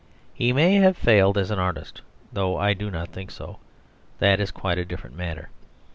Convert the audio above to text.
He may have failed as an artist, though I do not think so; that is quite a different matter.